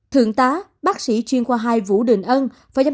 thượng tá bác sĩ chuyên khoa hai vũ đình ân